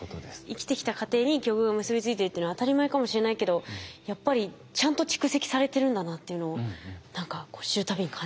生きてきた過程に記憶が結び付いてるっていうのは当たり前かもしれないけどやっぱりちゃんと蓄積されてるんだなっていうのを何か知るたびに感じますね。